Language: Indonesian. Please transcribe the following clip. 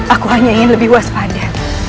aku hanya ingin lebih waspada